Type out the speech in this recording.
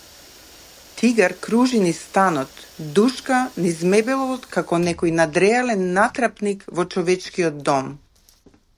Тигар кружи низ станот, душка низ мебелот како некој надреален натрапник во човечкиот дом.